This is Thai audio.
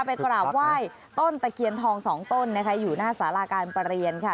ไปกราบไหว้ต้นตะเคียนทองสองต้นนะคะอยู่หน้าสาราการประเรียนค่ะ